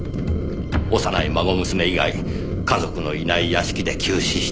幼い孫娘以外家族のいない屋敷で急死した資産家。